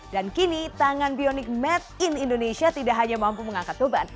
dan kini tangan bionik made in indonesia tidak hanya mampu mengangkat beban